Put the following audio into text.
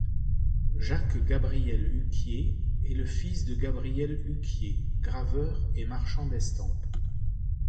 Jacques-Gabriel Huquier est le fils de Gabriel Huquier, graveur et marchand d'estampe.